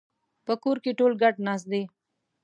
په کور کې ټول ګډ ناست دي